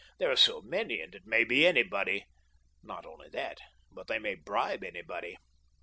There are so many, and it may be anybody. Not only that, but they may bribe anybody."